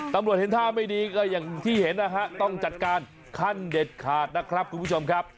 ตำรวจเห็นท่าไม่ดีก็อย่างที่เห็นนะฮะต้องจัดการขั้นเด็ดขาดนะครับคุณผู้ชมครับ